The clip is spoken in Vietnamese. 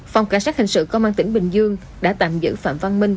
phòng cảnh sát hình sự công an tỉnh bình dương đã tạm giữ phạm văn minh